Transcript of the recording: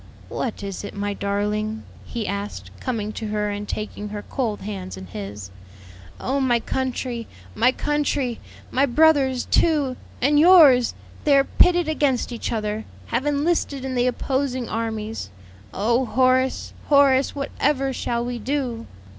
"What is it, my darling?" he asked, coming to her and taking her cold hands in his. "Oh my country! my country! My brothers, too and yours! they are pitted against each other have enlisted in the opposing armies. Oh, Horace, Horace! what ever shall we do?"